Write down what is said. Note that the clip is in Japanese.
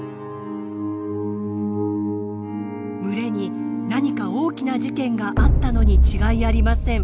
群れに何か大きな事件があったのに違いありません。